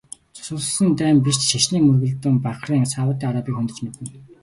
Цус урсгасан дайн биш ч шашны мөргөлдөөн Бахрейн, Саудын Арабыг хөндөж мэднэ.